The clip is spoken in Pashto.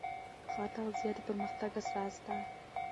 ښه تغذیه د پرمختګ اساس ده.